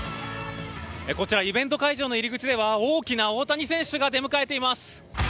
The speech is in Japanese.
イベント会場の入り口では大きな大谷選手が出迎えています。